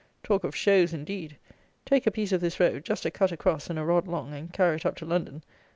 Talk of shows, indeed! Take a piece of this road; just a cut across, and a rod long, and carry it up to London.